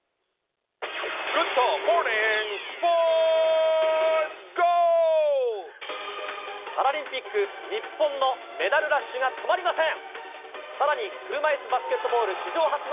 ぐっ！とモーニングスポーツ、パラリンピック、日本のメダルラッシュが止まりません。